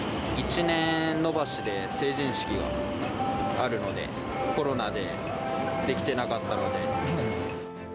１年延ばしで、成人式があるので、コロナでできてなかったので。